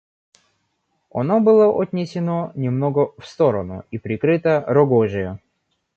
Оно было отнесено немного в сторону и прикрыто рогожею.